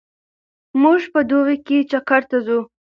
موږ په دوبي کې چکر ته ځو.